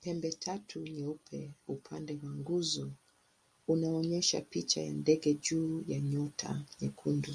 Pembetatu nyeupe upande wa nguzo unaonyesha picha ya ndege juu ya nyota nyekundu.